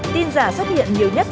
tin giả xuất hiện nhiều nhất